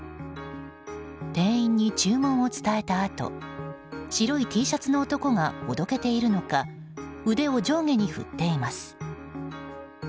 店員に注文を伝えたあと白いＴシャツの男がおどけているのか腕を上下に振っています。